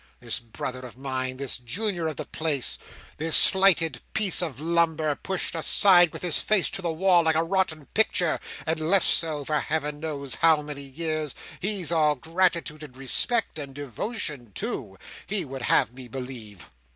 This brother of mine! This junior of the place, this slighted piece of lumber, pushed aside with his face to the wall, like a rotten picture, and left so, for Heaven knows how many years he's all gratitude and respect, and devotion too, he would have me believe!"